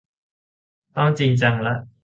ต้อง จริงจังละ